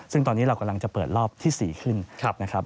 ซึ่งตอนนี้เรากำลังจะเปิดรอบที่๔ขึ้นนะครับ